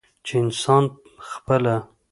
چې انسان خپله